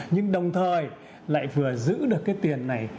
nhưng đồng thời lại vừa giữ được cái tiền này